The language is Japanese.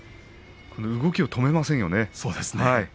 動きを止めませんよね。